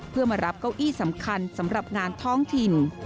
เพื่อมารับเก้าอี้สำคัญสำหรับงานท้องถิ่น